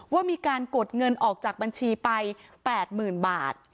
ว่ามีการกดเงินออกจากบัญชีไปแปดหมื่นบาท